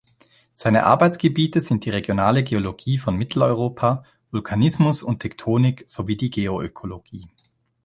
Seine Arbeitsgebiete sind die regionale Geologie von Mitteleuropa, Vulkanismus und Tektonik sowie die Geoökologie.